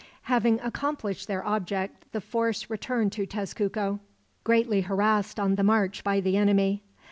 Having accomplished their object, the force returned to Tezcuco, greatly harassed on the march by the enemy.